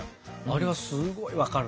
あれはすごい分かるな。